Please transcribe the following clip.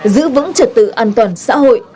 giữ vững trật tự an toàn xã hội